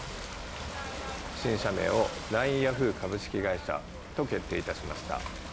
新社名をＬＩＮＥヤフー株式会社と決定いたしました。